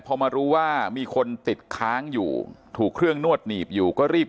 พอมารู้ว่ามีคนติดค้างอยู่ถูกเครื่องนวดหนีบอยู่ก็รีบ